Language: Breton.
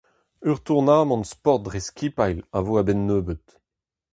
Un tournamant sport dre skipailh a vo a-benn nebeut.